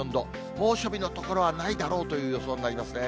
猛暑日の所はないだろうという予想になりますね。